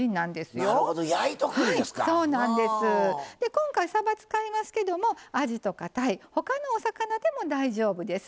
今回、さば使いますけどあじとか、たいほかのお魚でも大丈夫です。